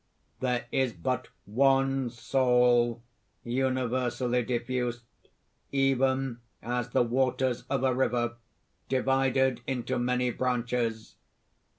"There is but one soul, universally diffused, even as the waters of a river divided into many branches.